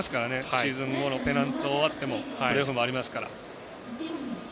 シーズン後、ペナント終わってもプレーオフもありますから。